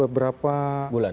itu foto kapan sih diambilnya